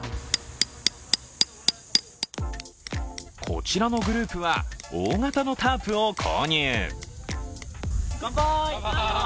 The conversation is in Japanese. こちらのグループは大型のタープを購入。